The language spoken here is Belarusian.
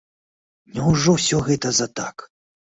Няўжо ўсё гэта за так?